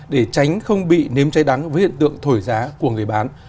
để tránh không bị nếm cháy đắng với hiện tượng thổi giá của người bán